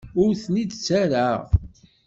Ur ten-id-ttarraɣ.